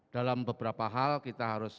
dalam beberapa hal kita harus